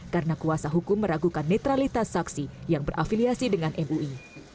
karena kuasa hukum meragukan netralitas saksi yang berafiliasi dengan mui